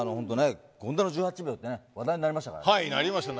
権田の１８秒って話題になりましたから。